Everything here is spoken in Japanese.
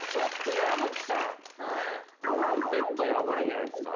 トランペットヤバいんじゃないですか？